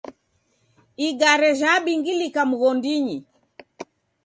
Igare jhabingilika mghondinyi